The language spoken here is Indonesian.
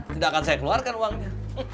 tidak akan saya keluarkan uangnya